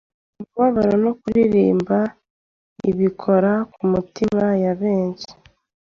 umubabaro no kuririmba ibikora ku mitima ya benshi.